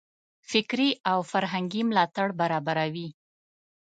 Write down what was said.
فکري او فرهنګي ملاتړ برابروي.